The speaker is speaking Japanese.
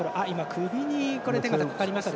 首に、手がかかりましたね。